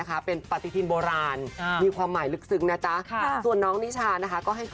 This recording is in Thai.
อะไรนะคะ